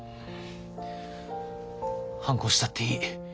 反抗したっていい。